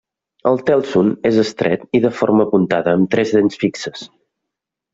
El tèlson és estret i de forma apuntada amb tres dents fixes.